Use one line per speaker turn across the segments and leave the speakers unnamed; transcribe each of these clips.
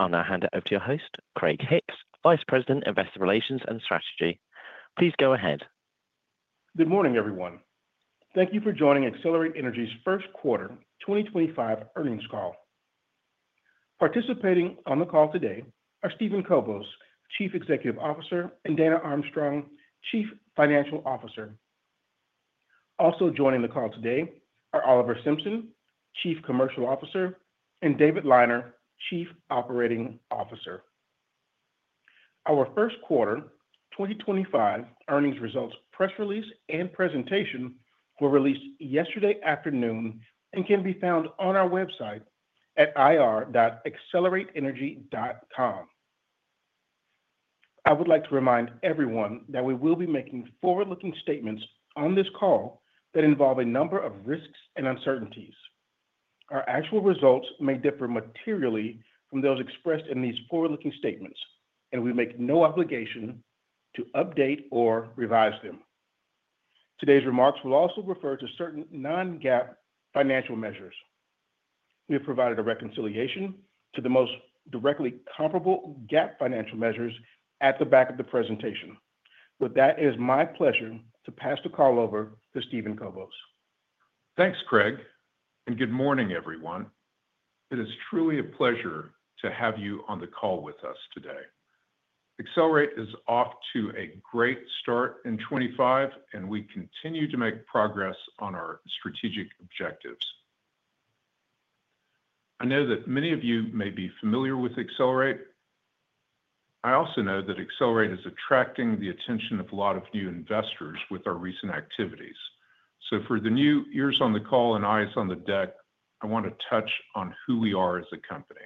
I'll now hand it over to your host, Craig Hicks, Vice President, Investor Relations and Strategy. Please go ahead.
Good morning, everyone. Thank you for joining Excelerate Energy's first quarter 2025 earnings call. Participating on the call today are Steven Kobos, Chief Executive Officer, and Dana Armstrong, Chief Financial Officer. Also joining the call today are Oliver Simpson, Chief Commercial Officer, and David Liner, Chief Operating Officer. Our first quarter 2025 earnings results press release and presentation were released yesterday afternoon and can be found on our website at ir.excelerateenergy.com. I would like to remind everyone that we will be making forward-looking statements on this call that involve a number of risks and uncertainties. Our actual results may differ materially from those expressed in these forward-looking statements, and we make no obligation to update or revise them. Today's remarks will also refer to certain non-GAAP financial measures. We have provided a reconciliation to the most directly comparable GAAP financial measures at the back of the presentation.
With that, it is my pleasure to pass the call over to Steven Kobos.
Thanks, Craig, and good morning, everyone. It is truly a pleasure to have you on the call with us today. Excelerate is off to a great start in 2025, and we continue to make progress on our strategic objectives. I know that many of you may be familiar with Excelerate. I also know that Excelerate is attracting the attention of a lot of new investors with our recent activities. For the new ears on the call and eyes on the deck, I want to touch on who we are as a company.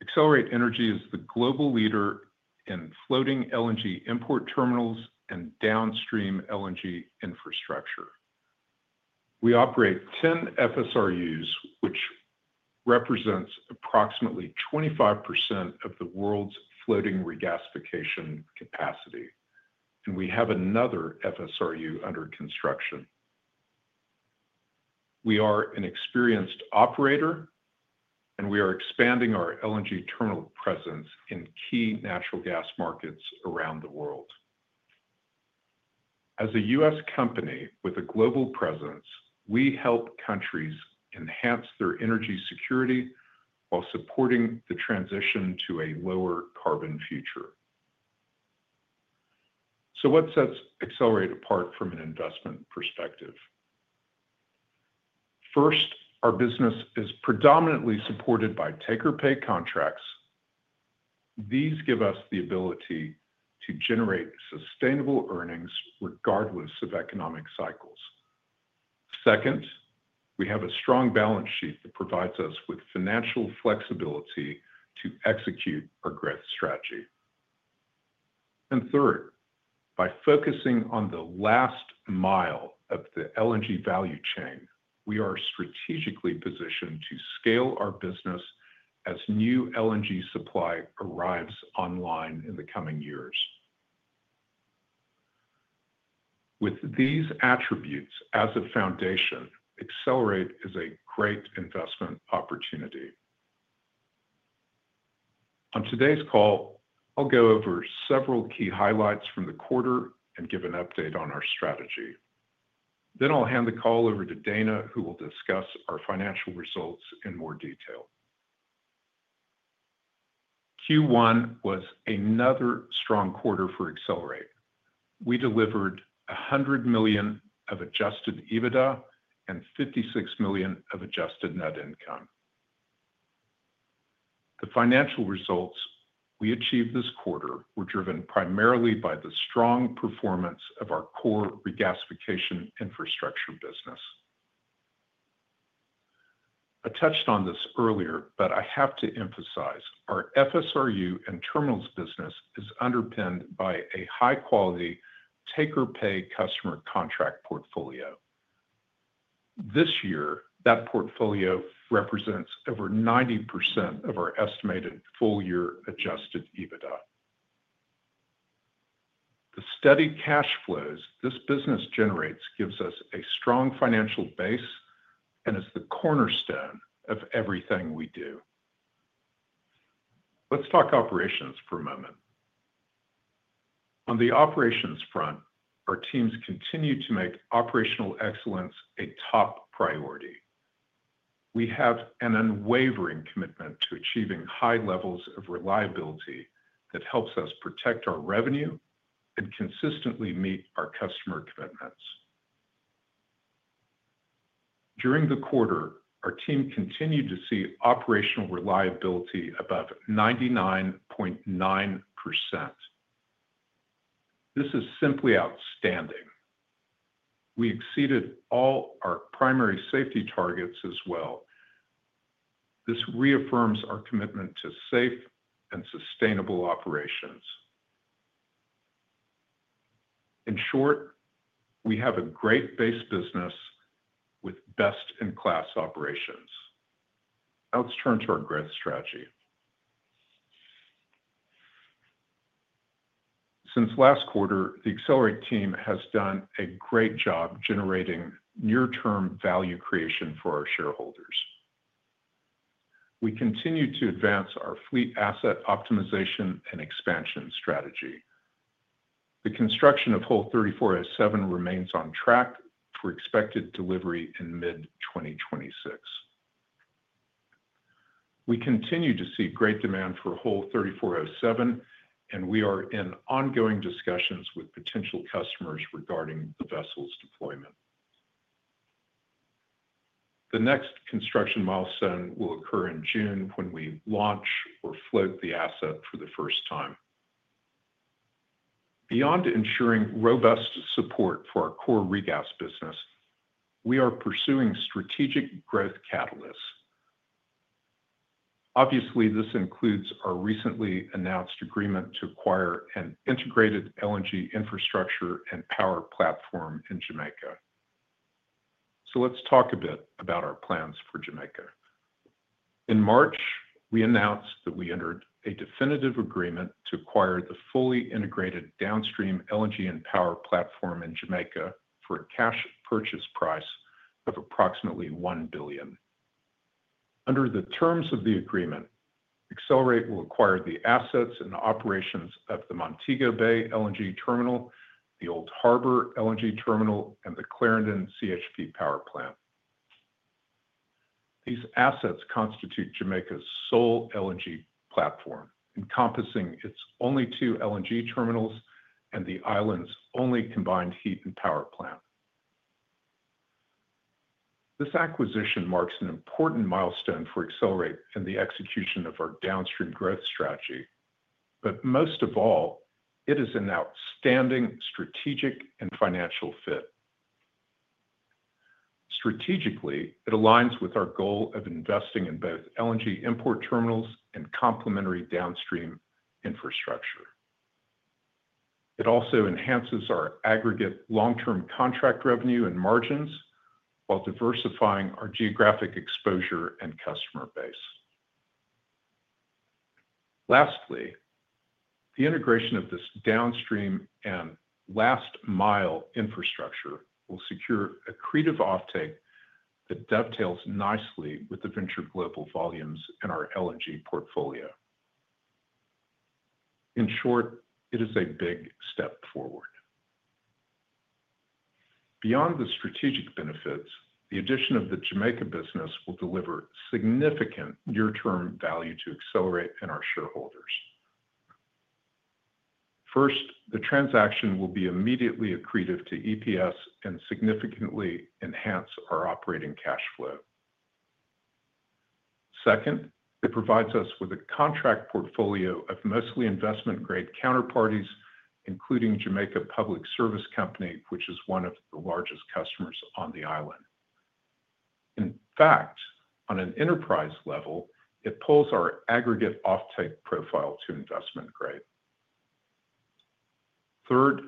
Excelerate Energy is the global leader in floating LNG import terminals and downstream LNG infrastructure. We operate 10 FSRUs, which represents approximately 25% of the world's floating regasification capacity, and we have another FSRU under construction. We are an experienced operator, and we are expanding our LNG terminal presence in key natural gas markets around the world. As a U.S. company with a global presence, we help countries enhance their energy security while supporting the transition to a lower carbon future. What sets Excelerate apart from an investment perspective? First, our business is predominantly supported by take-or-pay contracts. These give us the ability to generate sustainable earnings regardless of economic cycles. Second, we have a strong balance sheet that provides us with financial flexibility to execute our growth strategy. Third, by focusing on the last mile of the LNG value chain, we are strategically positioned to scale our business as new LNG supply arrives online in the coming years. With these attributes as a foundation, Excelerate is a great investment opportunity. On today's call, I'll go over several key highlights from the quarter and give an update on our strategy. I'll hand the call over to Dana, who will discuss our financial results in more detail. Q1 was another strong quarter for Excelerate. We delivered $100 million of adjusted EBITDA and $56 million of adjusted net income. The financial results we achieved this quarter were driven primarily by the strong performance of our core regasification infrastructure business. I touched on this earlier, but I have to emphasize our FSRU and terminals business is underpinned by a high-quality take-or-pay customer contract portfolio. This year, that portfolio represents over 90% of our estimated full-year adjusted EBITDA. The steady cash flows this business generates gives us a strong financial base and is the cornerstone of everything we do. Let's talk operations for a moment. On the operations front, our teams continue to make operational excellence a top priority. We have an unwavering commitment to achieving high levels of reliability that helps us protect our revenue and consistently meet our customer commitments. During the quarter, our team continued to see operational reliability above 99.9%. This is simply outstanding. We exceeded all our primary safety targets as well. This reaffirms our commitment to safe and sustainable operations. In short, we have a great base business with best-in-class operations. Now let's turn to our growth strategy. Since last quarter, the Excelerate team has done a great job generating near-term value creation for our shareholders. We continue to advance our fleet asset optimization and expansion strategy. The construction of Hull 3407 remains on track for expected delivery in mid-2026. We continue to see great demand for Hull 3407, and we are in ongoing discussions with potential customers regarding the vessel's deployment. The next construction milestone will occur in June when we launch or float the asset for the first time. Beyond ensuring robust support for our core regas business, we are pursuing strategic growth catalysts. Obviously, this includes our recently announced agreement to acquire an integrated LNG infrastructure and power platform in Jamaica. Let's talk a bit about our plans for Jamaica. In March, we announced that we entered a definitive agreement to acquire the fully integrated downstream LNG and power platform in Jamaica for a cash purchase price of approximately $1 billion. Under the terms of the agreement, Excelerate will acquire the assets and operations of the Montego Bay LNG terminal, the Old Harbor LNG terminal, and the Clarendon CHP power plant. These assets constitute Jamaica's sole LNG platform, encompassing its only two LNG terminals and the island's only combined heat and power plant. This acquisition marks an important milestone for Excelerate in the execution of our downstream growth strategy, but most of all, it is an outstanding strategic and financial fit. Strategically, it aligns with our goal of investing in both LNG import terminals and complementary downstream infrastructure. It also enhances our aggregate long-term contract revenue and margins while diversifying our geographic exposure and customer base. Lastly, the integration of this downstream and last-mile infrastructure will secure accretive offtake that dovetails nicely with the Venture Global volumes in our LNG portfolio. In short, it is a big step forward. Beyond the strategic benefits, the addition of the Jamaica business will deliver significant near-term value to Excelerate and our shareholders. First, the transaction will be immediately accretive to EPS and significantly enhance our operating cash flow. Second, it provides us with a contract portfolio of mostly investment-grade counterparties, including Jamaica Public Service Company, which is one of the largest customers on the island. In fact, on an enterprise level, it pulls our aggregate offtake profile to investment grade. Third,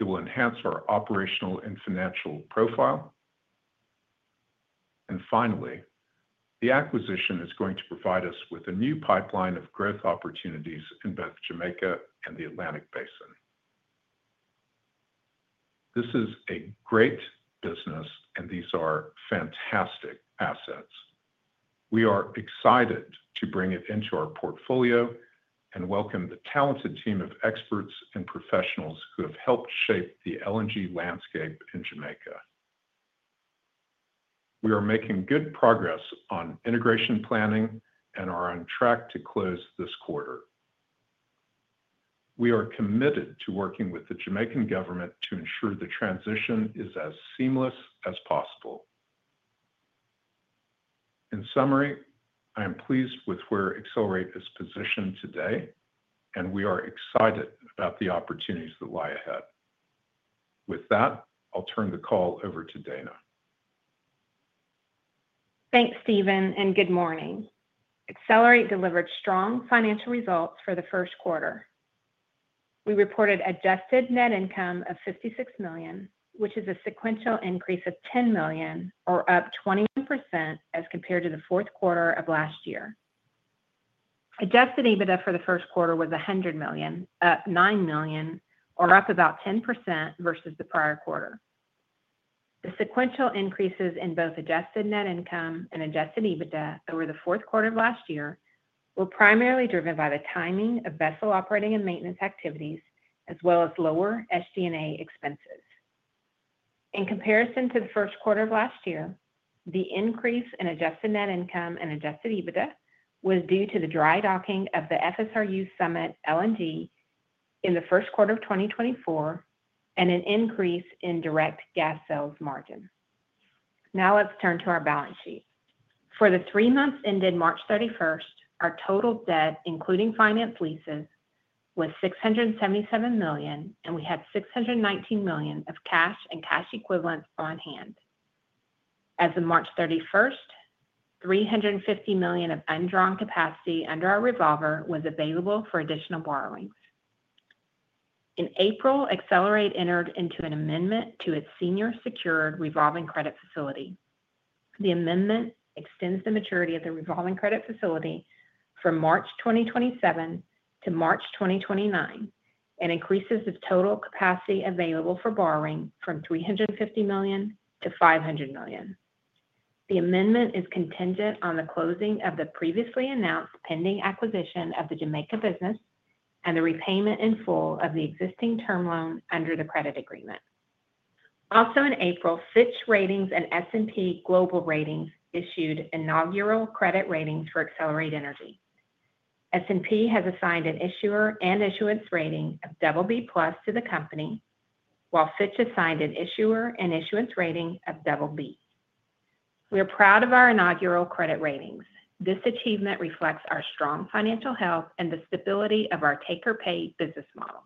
it will enhance our operational and financial profile. Finally, the acquisition is going to provide us with a new pipeline of growth opportunities in both Jamaica and the Atlantic Basin. This is a great business, and these are fantastic assets. We are excited to bring it into our portfolio and welcome the talented team of experts and professionals who have helped shape the LNG landscape in Jamaica. We are making good progress on integration planning and are on track to close this quarter. We are committed to working with the Jamaican government to ensure the transition is as seamless as possible. In summary, I am pleased with where Excelerate is positioned today, and we are excited about the opportunities that lie ahead. With that, I'll turn the call over to Dana.
Thanks, Steven, and good morning. Excelerate delivered strong financial results for the first quarter. We reported adjusted net income of $56 million, which is a sequential increase of $10 million, or up 23% as compared to the fourth quarter of last year. Adjusted EBITDA for the first quarter was $100 million, up $9 million, or up about 10% versus the prior quarter. The sequential increases in both adjusted net income and adjusted EBITDA over the fourth quarter of last year were primarily driven by the timing of vessel operating and maintenance activities, as well as lower SG&A expenses. In comparison to the first quarter of last year, the increase in adjusted net income and adjusted EBITDA was due to the dry docking of the FSRU Summit LNG in the first quarter of 2024 and an increase in direct gas sales margin. Now let's turn to our balance sheet. For the three months ended March 31, our total debt, including finance leases, was $677 million, and we had $619 million of cash and cash equivalents on hand. As of March 31, $350 million of undrawn capacity under our revolver was available for additional borrowings. In April, Excelerate entered into an amendment to its senior secured revolving credit facility. The amendment extends the maturity of the revolving credit facility from March 2027 to March 2029 and increases the total capacity available for borrowing from $350 million to $500 million. The amendment is contingent on the closing of the previously announced pending acquisition of the Jamaica business and the repayment in full of the existing term loan under the credit agreement. Also, in April, Fitch Ratings and S&P Global Ratings issued inaugural credit ratings for Excelerate Energy. S&P has assigned an issuer and issuance rating of double B+ to the company, while Fitch assigned an issuer and issuance rating of double B. We are proud of our inaugural credit ratings. This achievement reflects our strong financial health and the stability of our take-or-pay business model.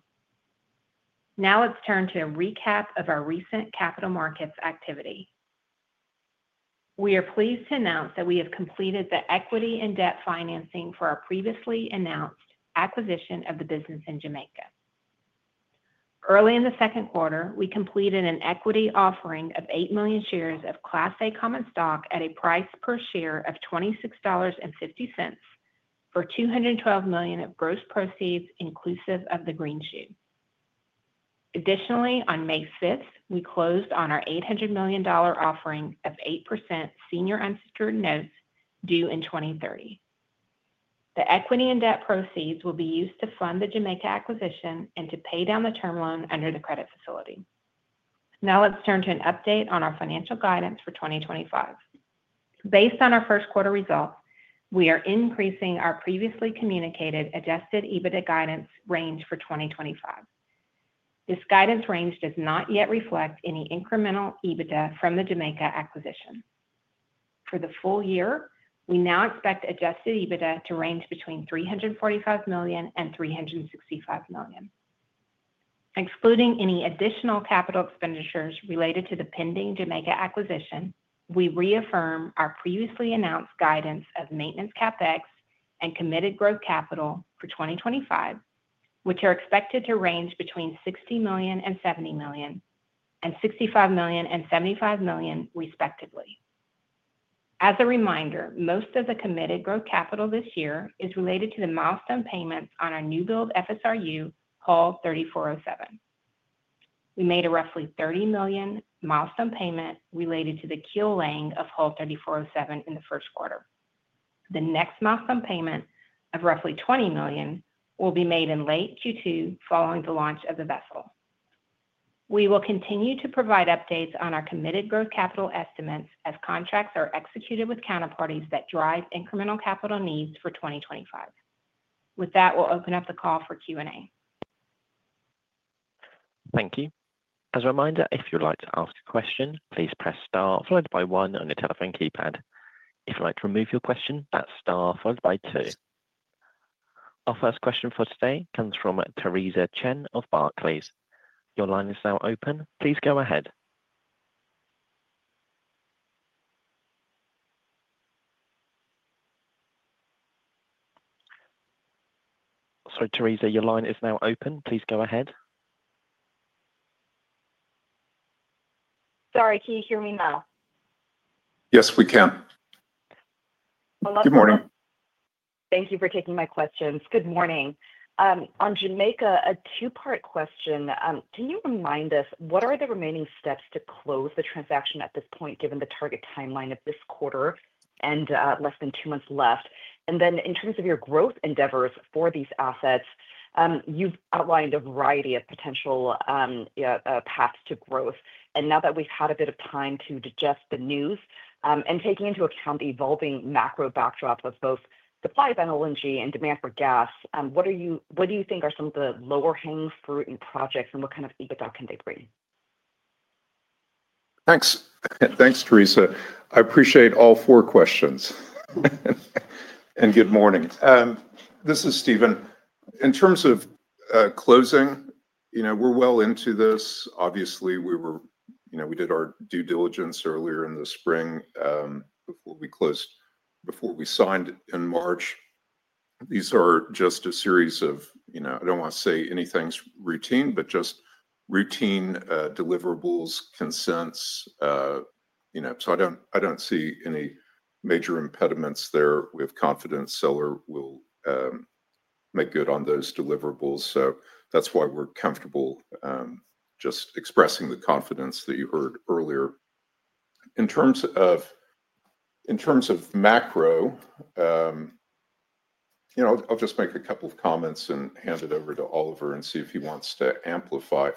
Now let's turn to a recap of our recent capital markets activity. We are pleased to announce that we have completed the equity and debt financing for our previously announced acquisition of the business in Jamaica. Early in the second quarter, we completed an equity offering of 8 million shares of Class A Common Stock at a price per share of $26.50 for $212 million of gross proceeds inclusive of the green shoe. Additionally, on May 5th, we closed on our $800 million offering of 8% senior unsecured notes due in 2030. The equity and debt proceeds will be used to fund the Jamaica acquisition and to pay down the term loan under the credit facility. Now let's turn to an update on our financial guidance for 2025. Based on our first quarter results, we are increasing our previously communicated adjusted EBITDA guidance range for 2025. This guidance range does not yet reflect any incremental EBITDA from the Jamaica acquisition. For the full year, we now expect adjusted EBITDA to range between $345 million and $365 million. Excluding any additional capital expenditures related to the pending Jamaica acquisition, we reaffirm our previously announced guidance of maintenance CapEx and committed growth capital for 2025, which are expected to range between $60 million and $70 million, and $65 million and $75 million, respectively. As a reminder, most of the committed growth capital this year is related to the milestone payments on our new-build FSRU, Hull 3407. We made a roughly $30 million milestone payment related to the keel laying of Hull 3407 in the first quarter. The next milestone payment of roughly $20 million will be made in late Q2 following the launch of the vessel. We will continue to provide updates on our committed growth capital estimates as contracts are executed with counterparties that drive incremental capital needs for 2025. With that, we'll open up the call for Q&A.
Thank you. As a reminder, if you'd like to ask a question, please press star, followed by one on your telephone keypad. If you'd like to remove your question, that's star, followed by two. Our first question for today comes from Teresa Chen of Barclays. Your line is now open. Please go ahead. Sorry, Teresa, your line is now open. Please go ahead.
Sorry, can you hear me now?
Yes, we can. Good morning.
Thank you for taking my questions. Good morning. On Jamaica, a two-part question. Can you remind us, what are the remaining steps to close the transaction at this point, given the target timeline of this quarter and less than two months left? In terms of your growth endeavors for these assets, you've outlined a variety of potential paths to growth. Now that we've had a bit of time to digest the news and take into account the evolving macro backdrop of both supply of LNG and demand for gas, what do you think are some of the lower-hanging fruit and projects, and what kind of EBITDA can they bring?
Thanks. Thanks, Teresa. I appreciate all four questions. Good morning. This is Steven. In terms of closing, we're well into this. Obviously, we did our due diligence earlier in the spring before we closed, before we signed in March. These are just a series of, I do not want to say anything is routine, but just routine deliverables, consents. I do not see any major impediments there. We have confidence Seller will make good on those deliverables. That is why we are comfortable just expressing the confidence that you heard earlier. In terms of macro, I will just make a couple of comments and hand it over to Oliver and see if he wants to amplify.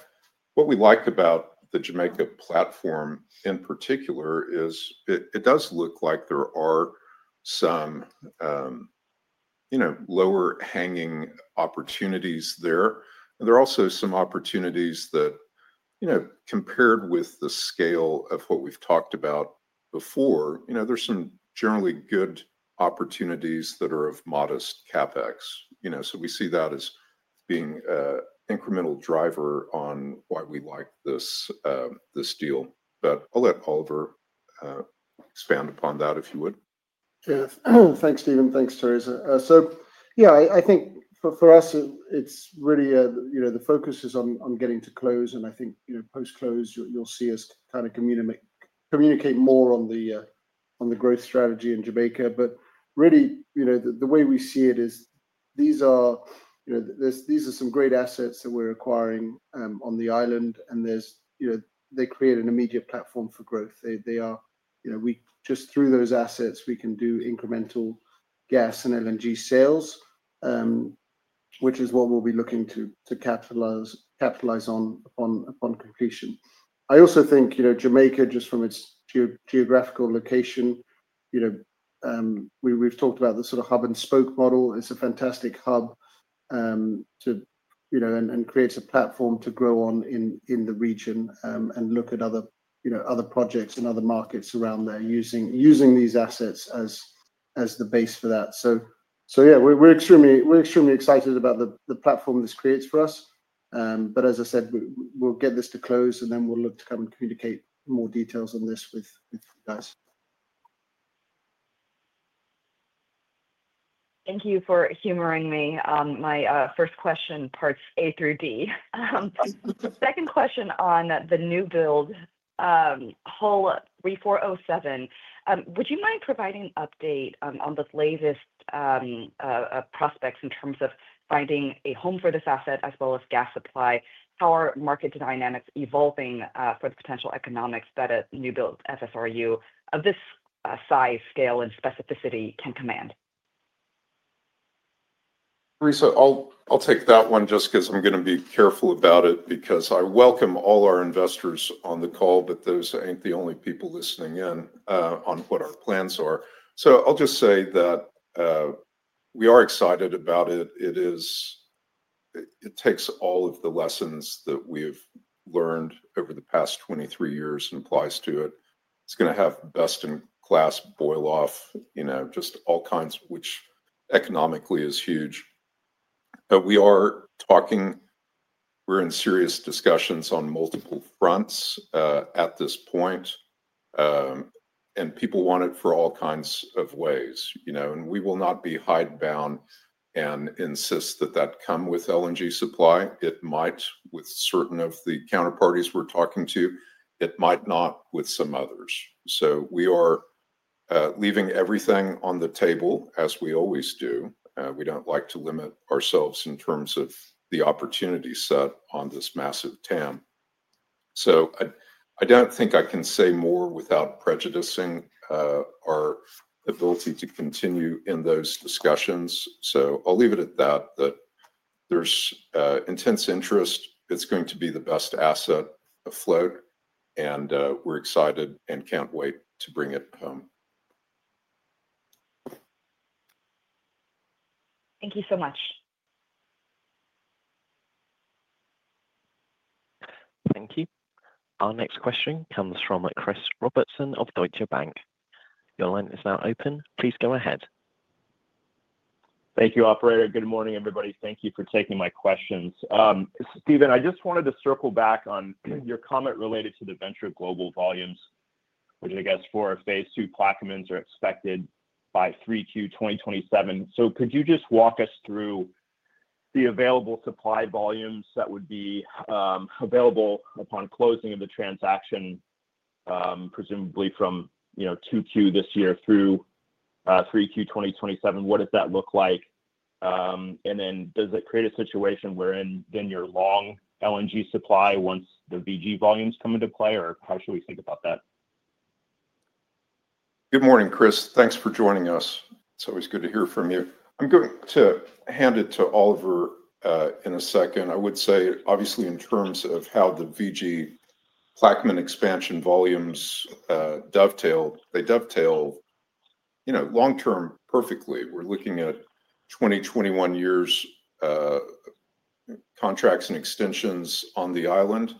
What we like about the Jamaica platform in particular is it does look like there are some lower-hanging opportunities there. There are also some opportunities that, compared with the scale of what we've talked about before, are generally good opportunities that are of modest CapEx. We see that as being an incremental driver on why we like this deal. I'll let Oliver expand upon that, if you would.
Thanks, Steven. Thanks, Teresa. Yeah, I think for us, it's really the focus is on getting to close. I think post-close, you'll see us kind of communicate more on the growth strategy in Jamaica. Really, the way we see it is these are some great assets that we're acquiring on the island, and they create an immediate platform for growth. Just through those assets, we can do incremental gas and LNG sales, which is what we'll be looking to capitalize on upon completion. I also think Jamaica, just from its geographical location, we've talked about the sort of hub-and-spoke model. It's a fantastic hub and creates a platform to grow on in the region and look at other projects and other markets around there using these assets as the base for that. Yeah, we're extremely excited about the platform this creates for us. As I said, we'll get this to close, and then we'll look to come and communicate more details on this with you guys.
Thank you for humoring me. My first question, parts A through D. Second question on the new-build Hull 3407. Would you mind providing an update on the latest prospects in terms of finding a home for this asset as well as gas supply? How are market dynamics evolving for the potential economics that a new-build FSRU of this size, scale, and specificity can command?
Teresa, I'll take that one just because I'm going to be careful about it because I welcome all our investors on the call, but those aren't the only people listening in on what our plans are. I'll just say that we are excited about it. It takes all of the lessons that we've learned over the past 23 years and applies to it. It's going to have best-in-class boil-off, just all kinds, which economically is huge. We are talking, we're in serious discussions on multiple fronts at this point, and people want it for all kinds of ways. We will not be hide-bound and insist that that come with LNG supply. It might with certain of the counterparties we're talking to. It might not with some others. We are leaving everything on the table, as we always do. We don't like to limit ourselves in terms of the opportunity set on this massive TAM. I don't think I can say more without prejudicing our ability to continue in those discussions. I'll leave it at that, that there's intense interest. It's going to be the best asset afloat, and we're excited and can't wait to bring it home.
Thank you so much.
Thank you. Our next question comes from Chris Robertson of Deutsche Bank. Your line is now open. Please go ahead.
Thank you, Operator. Good morning, everybody. Thank you for taking my questions. Steven, I just wanted to circle back on your comment related to the Venture Global volumes, which I guess for a phase two placements are expected by 3Q 2027. Could you just walk us through the available supply volumes that would be available upon closing of the transaction, presumably from 2Q this year through 3Q 2027? What does that look like? Does it create a situation wherein then your long LNG supply once the VG volumes come into play, or how should we think about that?
Good morning, Chris. Thanks for joining us. It's always good to hear from you. I'm going to hand it to Oliver in a second. I would say, obviously, in terms of how the VG placement expansion volumes dovetail, they dovetail long-term perfectly. We're looking at 2021 years' contracts and extensions on the island.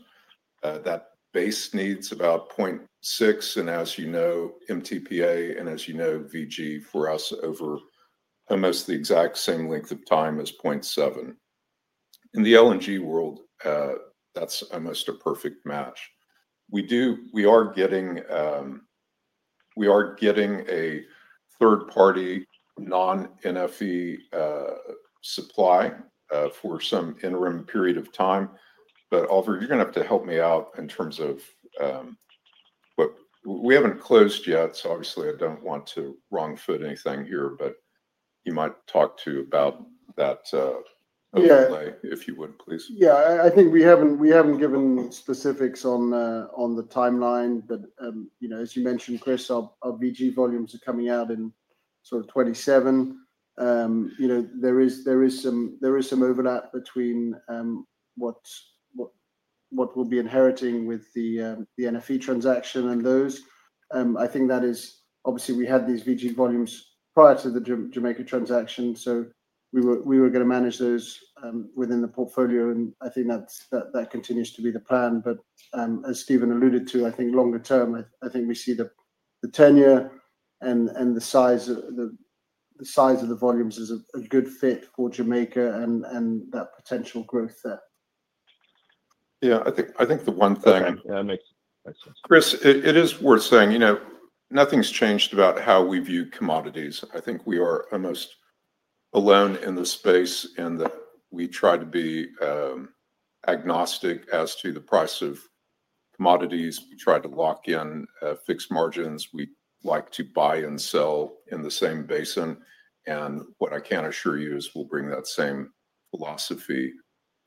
That base needs about 0.6, and as you know, MTPA and as you know, VG for us over almost the exact same length of time as 0.7. In the LNG world, that's almost a perfect match. We are getting a third-party non-NFE supply for some interim period of time. Oliver, you're going to have to help me out in terms of what we haven't closed yet. Obviously, I don't want to wrong-foot anything here, but you might talk to about that overlay if you would, please.
Yeah, I think we have not given specifics on the timeline. As you mentioned, Chris, our VG volumes are coming out in sort of 2027. There is some overlap between what we will be inheriting with the NFE transaction and those. I think that is obviously, we had these VG volumes prior to the Jamaica transaction. We were going to manage those within the portfolio. I think that continues to be the plan. As Steven alluded to, I think longer term, we see the tenure and the size of the volumes is a good fit for Jamaica and that potential growth there.
Yeah, I think the one thing.
Yeah, it makes sense.
Chris, it is worth saying nothing's changed about how we view commodities. I think we are almost alone in the space, and we try to be agnostic as to the price of commodities. We try to lock in fixed margins. We like to buy and sell in the same basin. What I can assure you is we'll bring that same philosophy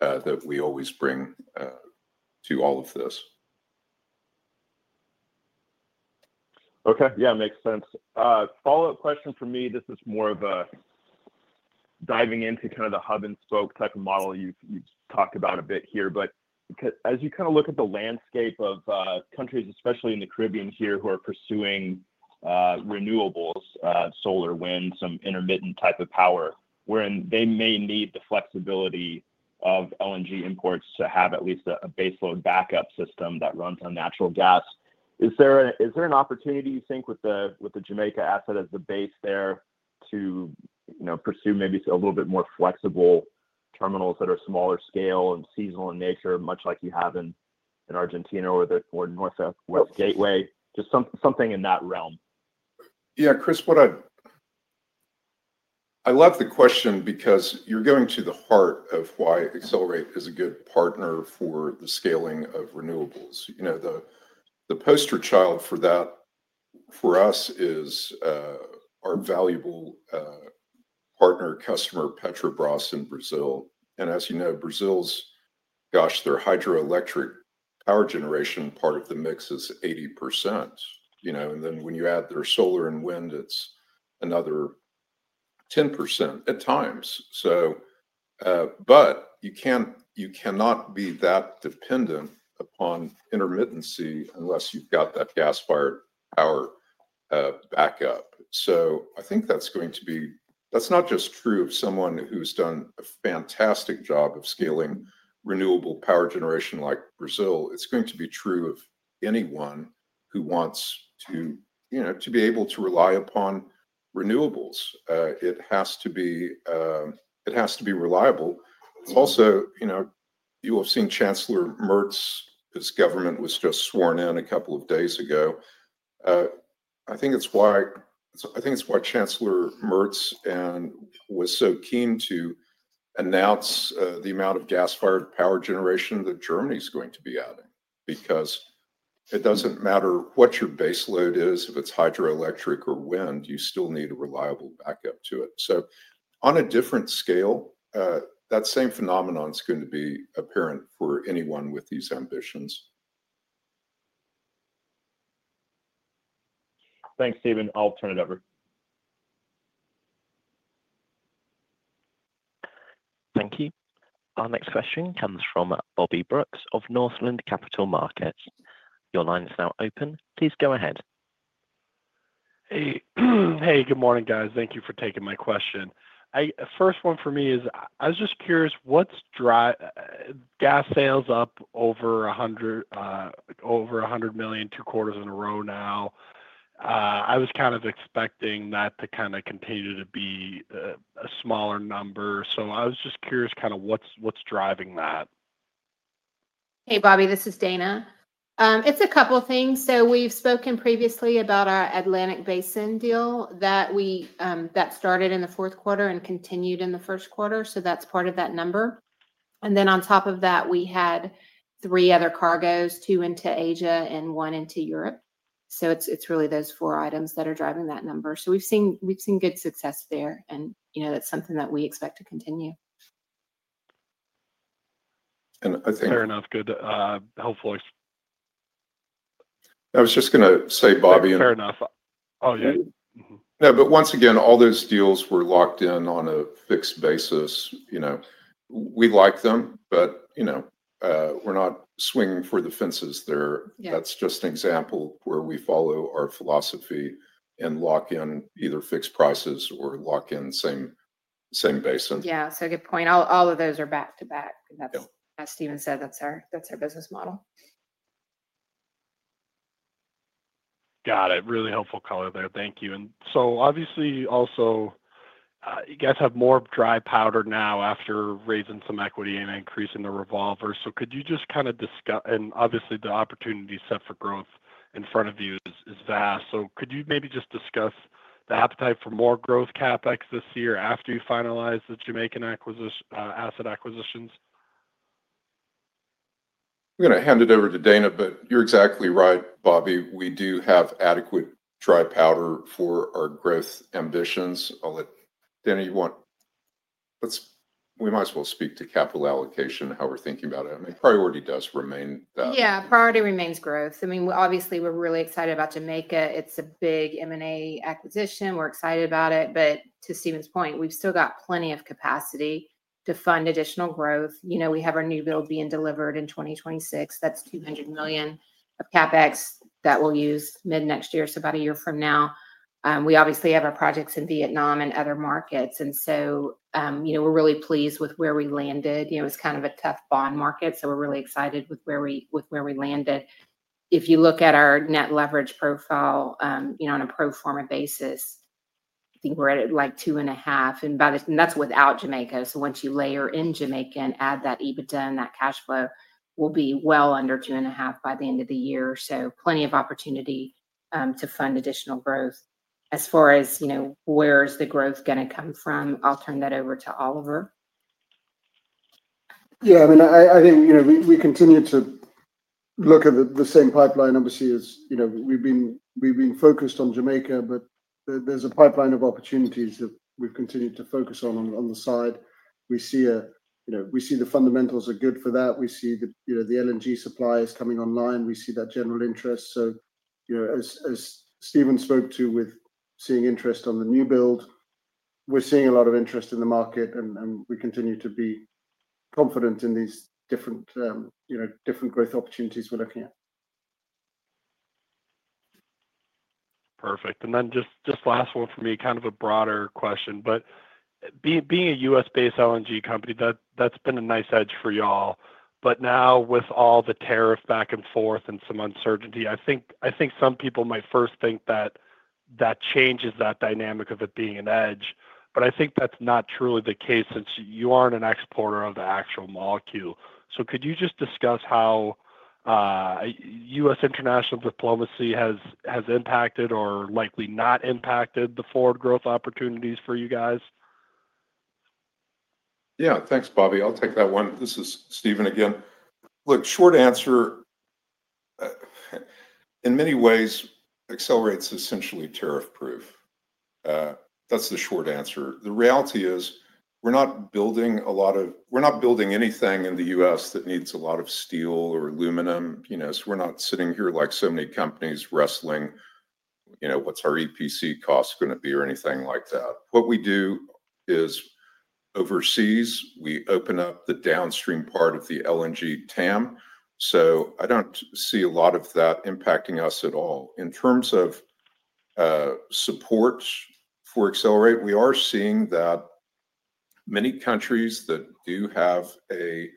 that we always bring to all of this.
Okay. Yeah, makes sense. Follow-up question for me. This is more of a diving into kind of the hub-and-spoke type of model you've talked about a bit here. As you kind of look at the landscape of countries, especially in the Caribbean here, who are pursuing renewables, solar, wind, some intermittent type of power, wherein they may need the flexibility of LNG imports to have at least a baseload backup system that runs on natural gas. Is there an opportunity, you think, with the Jamaica asset as the base there to pursue maybe a little bit more flexible terminals that are smaller scale and seasonal in nature, much like you have in Argentina or Northwest Gateway, just something in that realm?
Yeah, Chris, I love the question because you're going to the heart of why Excelerate is a good partner for the scaling of renewables. The poster child for that for us is our valuable partner, customer, Petrobras in Brazil. As you know, Brazil's, gosh, their hydroelectric power generation part of the mix is 80%. When you add their solar and wind, it's another 10% at times. You cannot be that dependent upon intermittency unless you've got that gas-fired power backup. I think that's going to be that's not just true of someone who's done a fantastic job of scaling renewable power generation like Brazil. It's going to be true of anyone who wants to be able to rely upon renewables. It has to be reliable. Also, you will have seen Chancellor Merz's government was just sworn in a couple of days ago. I think it's why Chancellor Mertz was so keen to announce the amount of gas-fired power generation that Germany is going to be adding because it doesn't matter what your baseload is, if it's hydroelectric or wind, you still need a reliable backup to it. On a different scale, that same phenomenon is going to be apparent for anyone with these ambitions.
Thanks, Steven. I'll turn it over.
Thank you. Our next question comes from Bobby Brooks of Northland Capital Markets. Your line is now open. Please go ahead.
Hey, good morning, guys. Thank you for taking my question. First one for me is I was just curious what's driving gas sales up over $100 million two quarters in a row now. I was kind of expecting that to kind of continue to be a smaller number. So I was just curious kind of what's driving that.
Hey, Bobby, this is Dana. It's a couple of things. We've spoken previously about our Atlantic Basin deal that started in the fourth quarter and continued in the first quarter. That's part of that number. On top of that, we had three other cargoes, two into Asia and one into Europe. It's really those four items that are driving that number. We've seen good success there, and that's something that we expect to continue.
I think.
Fair enough. Good. Helpful.
I was just going to say, Bobby.
Fair enough.
Oh, yeah. No, but once again, all those deals were locked in on a fixed basis. We like them, but we're not swinging for the fences there. That's just an example where we follow our philosophy and lock in either fixed prices or lock in same basin.
Yeah, that's a good point. All of those are back to back. As Steven said, that's our business model.
Got it. Really helpful color there. Thank you. Obviously, also, you guys have more dry powder now after raising some equity and increasing the revolvers. Could you just kind of discuss, and obviously, the opportunity set for growth in front of you is vast. Could you maybe just discuss the appetite for more growth CapEx this year after you finalize the Jamaican asset acquisitions?
I'm going to hand it over to Dana, but you're exactly right, Bobby. We do have adequate dry powder for our growth ambitions. Dana, you want? We might as well speak to capital allocation, how we're thinking about it. I mean, priority does remain that.
Yeah, priority remains growth. I mean, obviously, we're really excited about Jamaica. It's a big M&A acquisition. We're excited about it. To Steven's point, we've still got plenty of capacity to fund additional growth. We have our new build being delivered in 2026. That's $200 million of CapEx that we'll use mid-next year, so about a year from now. We obviously have our projects in Vietnam and other markets. I mean, we're really pleased with where we landed. It was kind of a tough bond market, so we're really excited with where we landed. If you look at our net leverage profile on a pro forma basis, I think we're at like two and a half. That's without Jamaica. Once you layer in Jamaica and add that EBITDA and that cash flow, we'll be well under two and a half by the end of the year. Plenty of opportunity to fund additional growth. As far as where's the growth going to come from, I'll turn that over to Oliver.
Yeah, I mean, I think we continue to look at the same pipeline, obviously, as we've been focused on Jamaica, but there's a pipeline of opportunities that we've continued to focus on on the side. We see the fundamentals are good for that. We see the LNG supply is coming online. We see that general interest. As Steven spoke to with seeing interest on the new build, we're seeing a lot of interest in the market, and we continue to be confident in these different growth opportunities we're looking at.
Perfect. Then just last one for me, kind of a broader question. Being a U.S.-based LNG company, that's been a nice edge for y'all. Now, with all the tariffs back and forth and some uncertainty, I think some people might first think that that changes that dynamic of it being an edge. I think that's not truly the case since you aren't an exporter of the actual molecule. Could you just discuss how U.S. international diplomacy has impacted or likely not impacted the forward growth opportunities for you guys?
Yeah, thanks, Bobby. I'll take that one. This is Steven again. Look, short answer, in many ways, Excelerate's essentially tariff-proof. That's the short answer. The reality is we're not building a lot of we're not building anything in the U.S. that needs a lot of steel or aluminum. We're not sitting here like so many companies wrestling, "What's our EPC cost going to be?" or anything like that. What we do is overseas, we open up the downstream part of the LNG TAM. I don't see a lot of that impacting us at all. In terms of support for Excelerate, we are seeing that many countries that do have a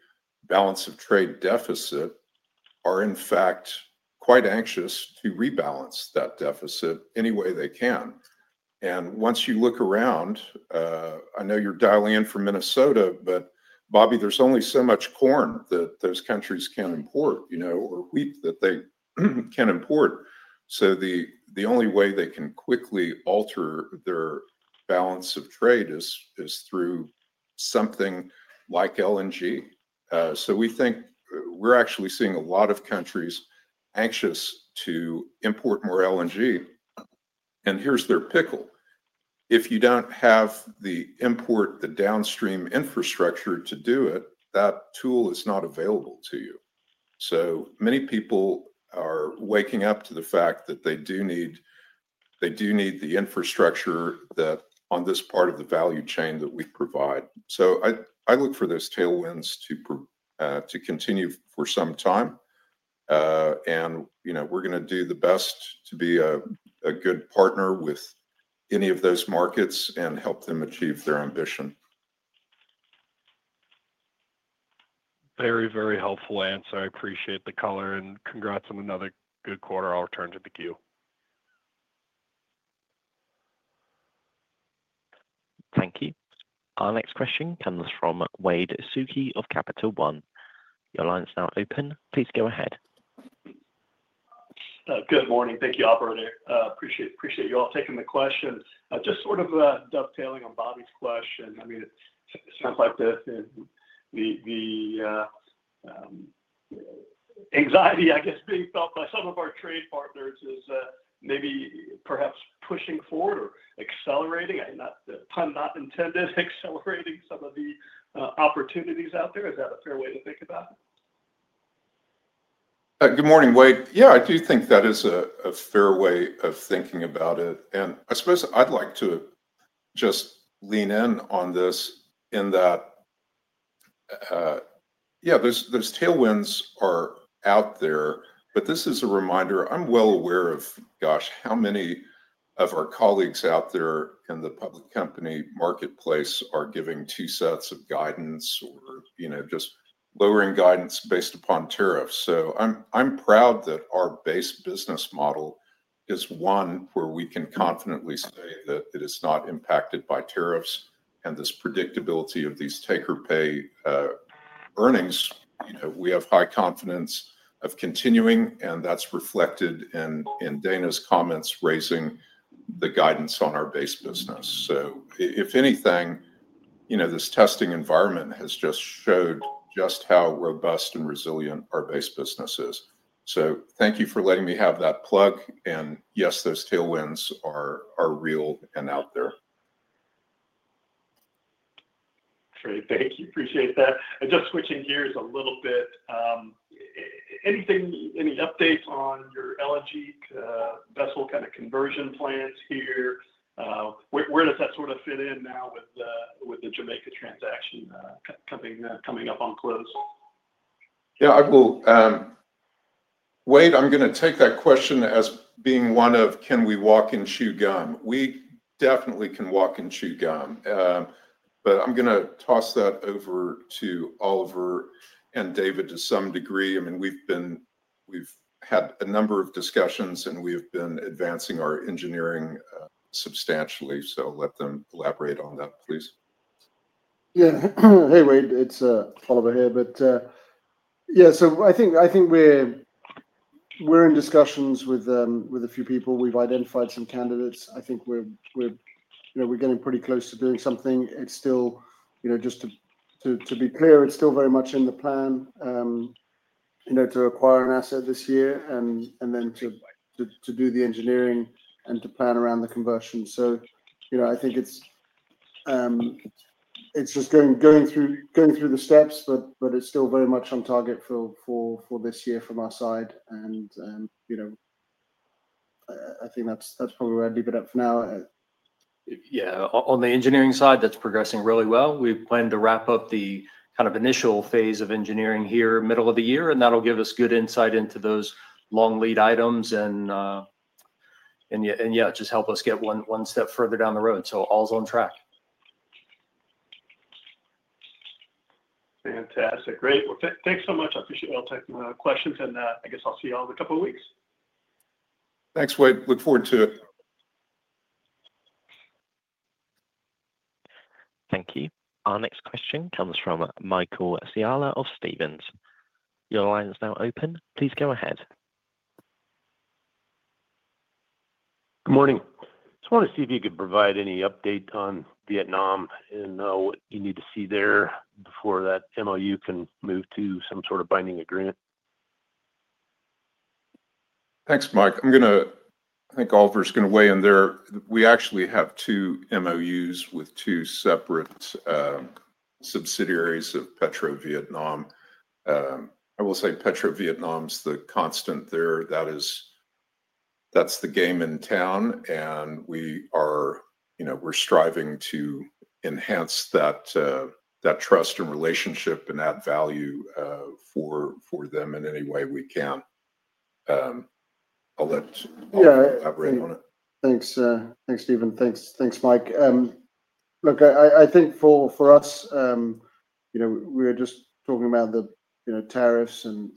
balance of trade deficit are, in fact, quite anxious to rebalance that deficit any way they can. Once you look around, I know you're dialing in from Minnesota, but Bobby, there's only so much corn that those countries can't import or wheat that they can't import. The only way they can quickly alter their balance of trade is through something like LNG. We think we're actually seeing a lot of countries anxious to import more LNG. Here's their pickle. If you don't have the import, the downstream infrastructure to do it, that tool is not available to you. Many people are waking up to the fact that they do need the infrastructure on this part of the value chain that we provide. I look for those tailwinds to continue for some time. We're going to do the best to be a good partner with any of those markets and help them achieve their ambition.
Very, very helpful answer. I appreciate the color. Congrats on another good quarter. I'll turn it to Q.
Thank you. Our next question comes from Wade Suki of Capital One. Your line is now open. Please go ahead.
Good morning. Thank you, Operator. Appreciate you all taking the question. Just sort of dovetailing on Bobby's question, I mean, it sounds like the anxiety, I guess, being felt by some of our trade partners is maybe perhaps pushing forward or accelerating, not intended, accelerating some of the opportunities out there. Is that a fair way to think about it?
Good morning, Wade. Yeah, I do think that is a fair way of thinking about it. And I suppose I'd like to just lean in on this in that, yeah, those tailwinds are out there. But this is a reminder. I'm well aware of, gosh, how many of our colleagues out there in the public company marketplace are giving two sets of guidance or just lowering guidance based upon tariffs. So I'm proud that our base business model is one where we can confidently say that it is not impacted by tariffs and this predictability of these take-or-pay earnings. We have high confidence of continuing, and that's reflected in Dana's comments raising the guidance on our base business. If anything, this testing environment has just showed just how robust and resilient our base business is. Thank you for letting me have that plug. Yes, those tailwinds are real and out there.
Great. Thank you. Appreciate that. Just switching gears a little bit. Any updates on your LNG vessel kind of conversion plans here? Where does that sort of fit in now with the Jamaica transaction coming up on close?
Yeah, I will. Wade, I'm going to take that question as being one of, can we walk and chew gum? We definitely can walk and chew gum. I am going to toss that over to Oliver and David to some degree. I mean, we've had a number of discussions, and we have been advancing our engineering substantially. Let them elaborate on that, please.
Yeah. Hey, Wade, it's Oliver here. Yeah, I think we're in discussions with a few people. We've identified some candidates. I think we're getting pretty close to doing something. It's still, just to be clear, it's still very much in the plan to acquire an asset this year and then to do the engineering and to plan around the conversion. I think it's just going through the steps, but it's still very much on target for this year from our side. I think that's probably where I'd leave it at for now.
Yeah. On the engineering side, that's progressing really well. We plan to wrap up the kind of initial phase of engineering here middle of the year, and that'll give us good insight into those long lead items and, yeah, just help us get one step further down the road. All's on track.
Fantastic. Great. Thanks so much. I appreciate all the questions. I guess I'll see y'all in a couple of weeks.
Thanks, Wade. Look forward to it.
Thank you. Our next question comes from Michael Siala of Stevens. Your line is now open. Please go ahead.
Good morning. Just wanted to see if you could provide any update on Vietnam and what you need to see there before that MOU can move to some sort of binding agreement.
Thanks, Mike. I think Oliver's going to weigh in there. We actually have two MOUs with two separate subsidiaries of Petrovietnam. I will say Petrovietnam's the constant there. That's the game in town. And we're striving to enhance that trust and relationship and add value for them in any way we can. I'll let Oliver elaborate on it.
Thanks, Steven. Thanks, Mike. Look, I think for us, we were just talking about the tariffs and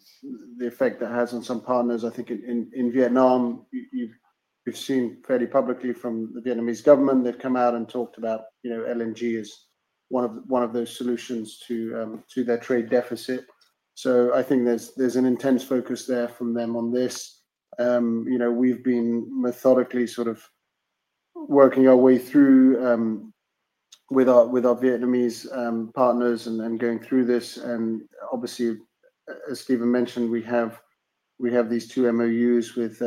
the effect that has on some partners. I think in Vietnam, you've seen fairly publicly from the Vietnamese government, they've come out and talked about LNG as one of those solutions to their trade deficit. I think there's an intense focus there from them on this. We've been methodically sort of working our way through with our Vietnamese partners and going through this. Obviously, as Steven mentioned, we have these two MOUs with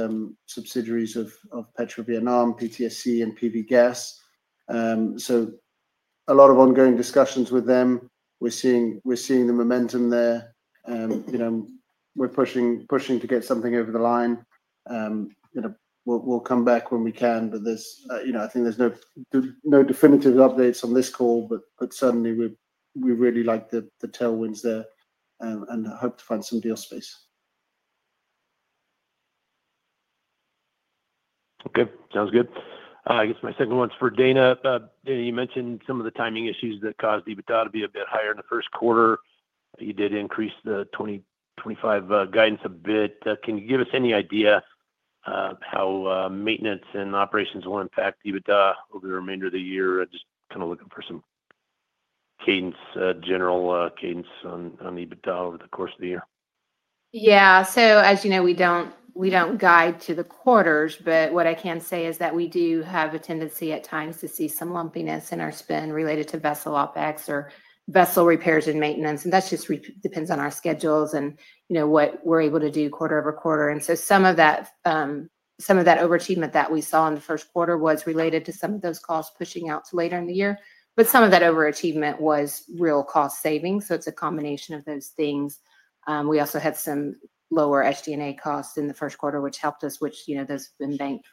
subsidiaries of Petrovietnam, PTSC, and PV Gas. A lot of ongoing discussions with them. We're seeing the momentum there. We're pushing to get something over the line. We'll come back when we can, but I think there's no definitive updates on this call. We really like the tailwinds there and hope to find some deal space.
Okay. Sounds good. I guess my second one's for Dana. Dana, you mentioned some of the timing issues that caused EBITDA to be a bit higher in the first quarter. You did increase the 2025 guidance a bit. Can you give us any idea how maintenance and operations will impact EBITDA over the remainder of the year? Just kind of looking for some general cadence on EBITDA over the course of the year.
Yeah. As you know, we do not guide to the quarters, but what I can say is that we do have a tendency at times to see some lumpiness in our spend related to vessel OpEx or vessel repairs and maintenance. That just depends on our schedules and what we are able to do quarter over quarter. Some of that overachievement that we saw in the first quarter was related to some of those costs pushing out to later in the year. Some of that overachievement was real cost savings. It is a combination of those things. We also had some lower SG&A costs in the first quarter, which helped us, which have been banked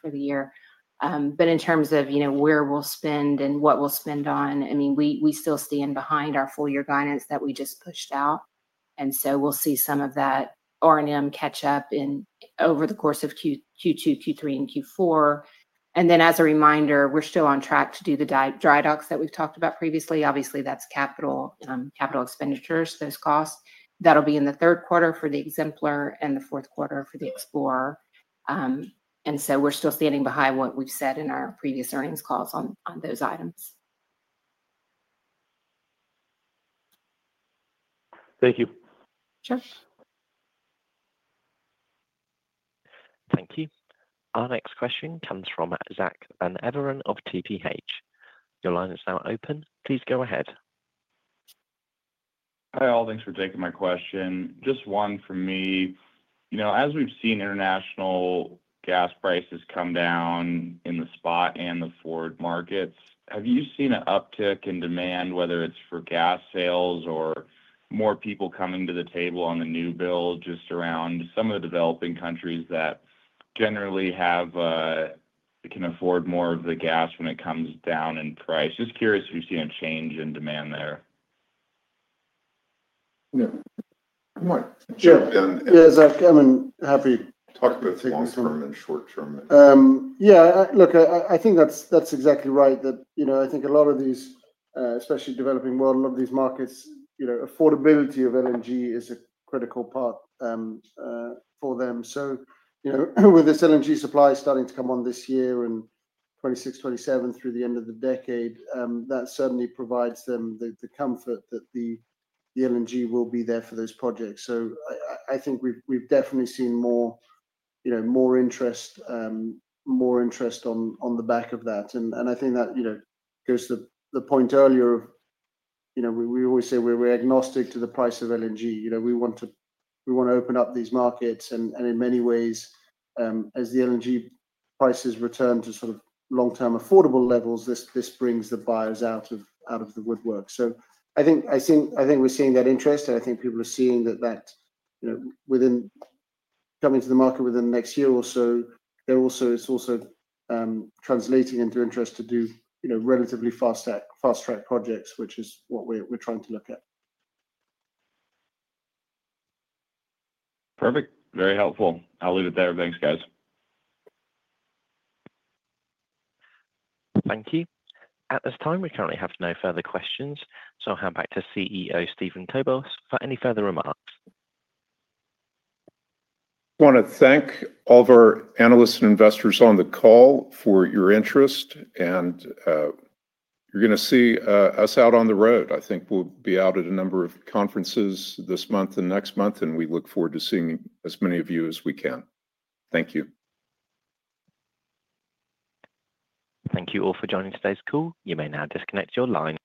for the year. In terms of where we will spend and what we will spend on, I mean, we still stand behind our full-year guidance that we just pushed out. We'll see some of that R&M catch-up over the course of Q2, Q3, and Q4. As a reminder, we're still on track to do the dry docks that we've talked about previously. Obviously, that's capital expenditures, those costs. That'll be in the third quarter for the Exemplar and the fourth quarter for the Explorer. We're still standing behind what we've said in our previous earnings calls on those items.
Thank you.
Sure.
Thank you. Our next question comes from Zack Van Everen of TPH. Your line is now open. Please go ahead.
Hi, Ollie. Thanks for taking my question. Just one for me. As we've seen international gas prices come down in the spot and the forward markets, have you seen an uptick in demand, whether it's for gas sales or more people coming to the table on the new build just around some of the developing countries that generally can afford more of the gas when it comes down in price? Just curious if you've seen a change in demand there.
Yeah. Good morning. Yeah, Zach, I'm happy to talk about things long-term and short-term. Yeah. Look, I think that's exactly right. I think a lot of these, especially developing world, a lot of these markets, affordability of LNG is a critical part for them. With this LNG supply starting to come on this year and 2026, 2027 through the end of the decade, that certainly provides them the comfort that the LNG will be there for those projects. I think we've definitely seen more interest on the back of that. I think that goes to the point earlier of we always say we're agnostic to the price of LNG. We want to open up these markets. In many ways, as the LNG prices return to sort of long-term affordable levels, this brings the buyers out of the woodwork. I think we're seeing that interest. I think people are seeing that within coming to the market within the next year or so, it's also translating into interest to do relatively fast-track projects, which is what we're trying to look at.
Perfect. Very helpful. I'll leave it there. Thanks, guys.
Thank you. At this time, we currently have no further questions. So I'll hand back to CEO Steven Kobos for any further remarks.
I want to thank all of our analysts and investors on the call for your interest. You are going to see us out on the road. I think we will be out at a number of conferences this month and next month. We look forward to seeing as many of you as we can. Thank you.
Thank you all for joining today's call. You may now disconnect your line.